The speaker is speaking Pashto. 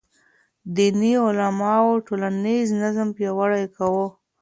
دیني علماو ټولنیز نظم پیاوړی کاوه.